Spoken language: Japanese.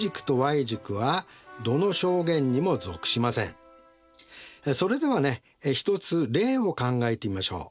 それからそれではね一つ例を考えてみましょう。